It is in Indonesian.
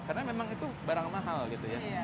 karena memang itu barang mahal gitu ya